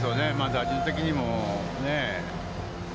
打順的にもね。